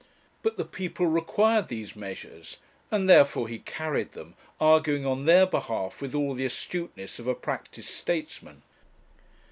But the people required these measures, and therefore he carried them, arguing on their behalf with all the astuteness of a practised statesman.